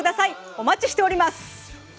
お待ちしております。